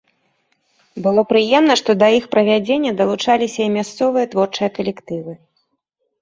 Было прыемна, што да іх правядзення далучаліся і мясцовыя творчыя калектывы.